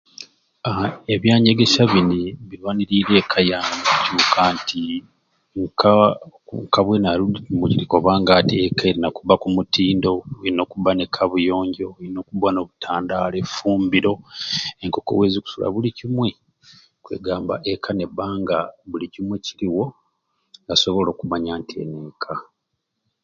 Haaa ebyanyegesya bini biwanirire ekka yange okuba nti nka nka bwenali nkabudi ekka elina kuba kumutindo olina okuba ne kabuyonjo okuba no butandalo efumbiro enkoko wezikusula buli kimwei kwegamba ekka neba nga buli kimwei kiriwo nebasobola okumanya nti eni ekka